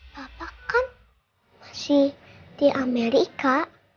bapak kan masih di amerika